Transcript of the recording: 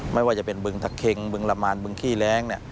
ไม่ว่าจะเป็นบึงตะเค็งบึงละมานบึงขี้แร้ง